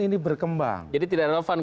ini berkembang jadi tidak relevan